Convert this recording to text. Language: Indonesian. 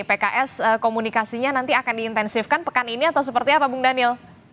pks komunikasinya nanti akan diintensifkan pekan ini atau seperti apa bung daniel